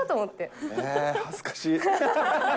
恥ずかしい。